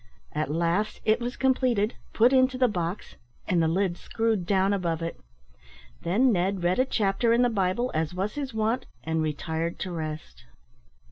At last it was completed, put into the box, and the lid screwed down above it. Then Ned read a chapter in the Bible, as was his wont, and retired to rest.